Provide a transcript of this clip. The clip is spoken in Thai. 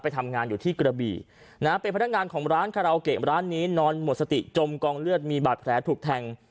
ทำงานอยู่ที่กระบี่นะฮะเป็นพนักงานของร้านคาราโอเกะร้านนี้นอนหมดสติจมกองเลือดมีบาดแผลถูกแทง